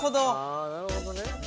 あなるほどね。